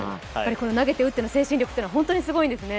投げて打っての精神力というのは本当にすごいんですね。